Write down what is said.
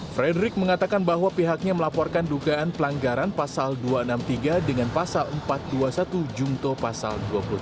frederick mengatakan bahwa pihaknya melaporkan dugaan pelanggaran pasal dua ratus enam puluh tiga dengan pasal empat ratus dua puluh satu jungto pasal dua puluh tiga